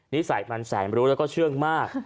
นิสัยมันแสนรู้แล้วก็เชื่องมาก